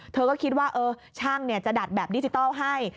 เธอก็คิดว่าช่างจะดัดแบบดิจิทัลให้